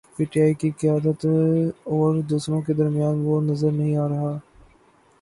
P T I کی قیادت اور دوسروں کے درمیان وہ نظر نہیں آ رہا۔